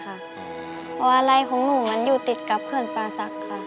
เพราะว่าไล่ของหนูมันอยู่ติดกับเขื่อนป่าศักดิ์ค่ะ